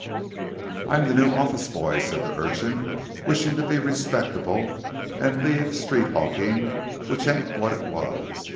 "I'm the new office boy," said the urchin, "wishin' to be respectable and leave street 'awking, which ain't what it was.